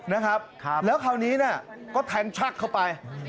นะครับแล้วคราวนี้เนี่ยก็แทงชักเข้าไป